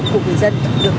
của người dân tổng đồng